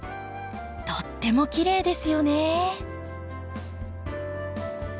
とってもきれいですよね。